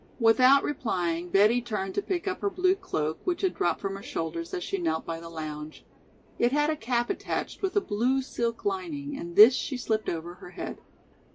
Without replying Betty turned to pick up her blue cloak which had dropped from her shoulders as she knelt by the lounge. It had a cap attached with a blue silk lining and this she slipped over her head.